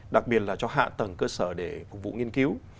đặc biệt là cho hạ tầng cơ sở để phục vụ nghiên cứu